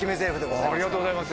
ありがとうございます。